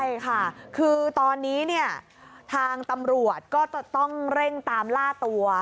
ใช่ค่ะคือตอนนี้เนี่ยทางตำรวจก็จะต้องเร่งตามล่าตัว